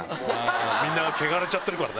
みんな汚れちゃってるからね。